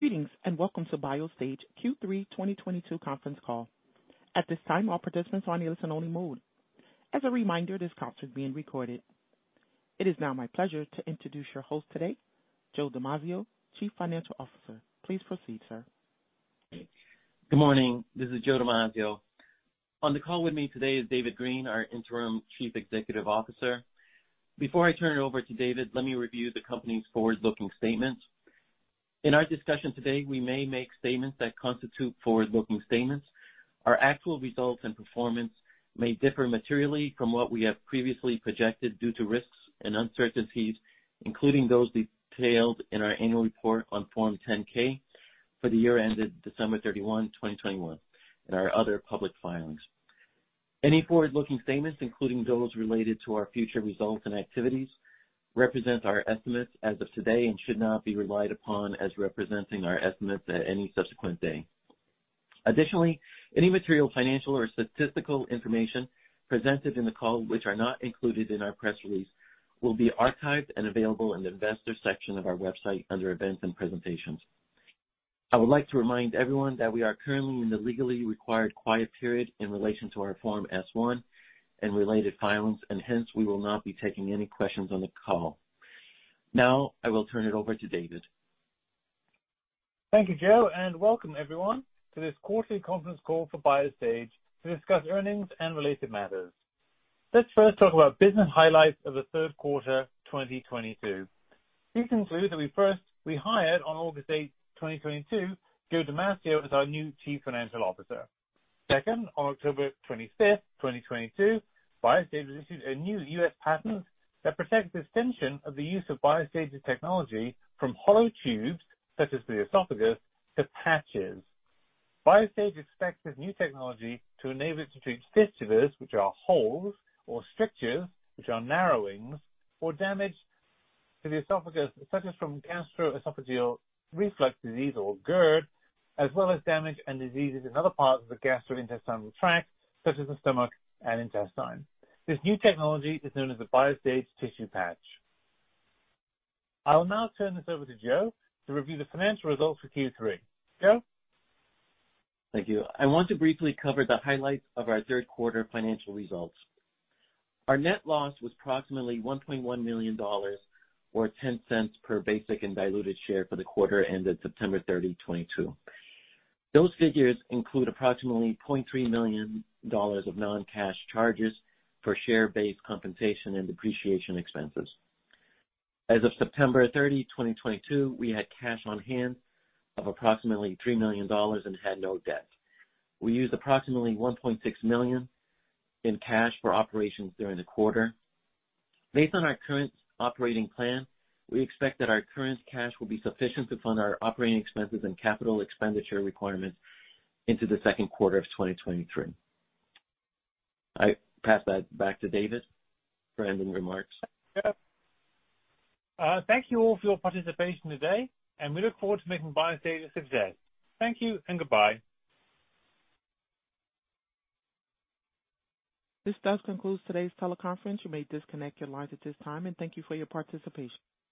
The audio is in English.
Greetings, and welcome to BioStage Q3 2022 conference call. At this time, all participants are in listen only mode. As a reminder, this call is being recorded. It is now my pleasure to introduce your host today, Joe Damasio, Chief Financial Officer. Please proceed, sir. Good morning. This is Joe Damasio. On the call with me today is David Green, our interim Chief Executive Officer. Before I turn it over to David, let me review the company's forward-looking statements. In our discussion today, we may make statements that constitute forward-looking statements. Our actual results and performance may differ materially from what we have previously projected due to risks and uncertainties, including those detailed in our annual report on Form 10-K for the year ended December 31, 2021, and our other public filings. Any forward-looking statements, including those related to our future results and activities, represent our estimates as of today and should not be relied upon as representing our estimates at any subsequent date. Additionally, any material, financial, or statistical information presented in the call which are not included in our press release will be archived and available in the investor section of our website under events and presentations. I would like to remind everyone that we are currently in the legally required quiet period in relation to our Form S-1 and related filings, and hence we will not be taking any questions on the call. Now, I will turn it over to David Green. Thank you, Joe, and welcome everyone to this quarterly conference call for BioStage to discuss earnings and related matters. Let's first talk about business highlights of the third quarter, 2022. These include that we hired on August 8, 2022, Joe Damasio as our new Chief Financial Officer. Second, on October 25th, 2022, BioStage was issued a new U.S. patent that protects the extension of the use of BioStage's technology from hollow tubes such as the esophagus to patches. BioStage expects this new technology to enable it to treat fistulas, which are holes, or strictures, which are narrowings or damage to the esophagus, such as from gastroesophageal reflux disease or GERD, as well as damage and diseases in other parts of the gastrointestinal tract, such as the stomach and intestine. This new technology is known as the BioStage Tissue Patch. I will now turn this over to Joe to review the financial results for Q3. Joe. Thank you. I want to briefly cover the highlights of our third quarter financial results. Our net loss was approximately $1.1 million or $0.10 per basic and diluted share for the quarter ended September 30, 2022. Those figures include approximately $0.3 million of non-cash charges for share-based compensation and depreciation expenses. As of September 30, 2022, we had cash on hand of approximately $3 million and had no debt. We used approximately $1.6 million in cash for operations during the quarter. Based on our current operating plan, we expect that our current cash will be sufficient to fund our operating expenses and capital expenditure requirements into the second quarter of 2023. I pass that back to David for any remarks. Yeah. Thank you all for your participation today, and we look forward to making BioStage a success. Thank you and goodbye. This does conclude today's teleconference. You may disconnect your lines at this time and thank you for your participation.